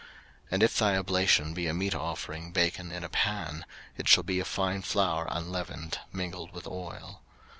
03:002:005 And if thy oblation be a meat offering baken in a pan, it shall be of fine flour unleavened, mingled with oil.